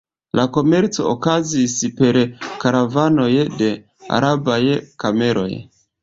La komerco okazis per karavanoj de arabaj kameloj.